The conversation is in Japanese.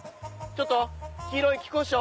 ちょっと黄色い木久扇師匠！